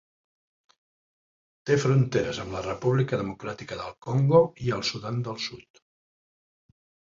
Té fronteres amb la República Democràtica del Congo i el Sudan del Sud.